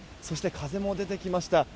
そして風も出てきました。